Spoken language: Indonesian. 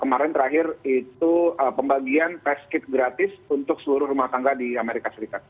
kemarin terakhir itu pembagian test kit gratis untuk seluruh rumah tangga di amerika serikat